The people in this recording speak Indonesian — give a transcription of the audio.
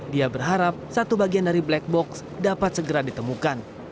dia berharap satu bagian dari black box dapat segera ditemukan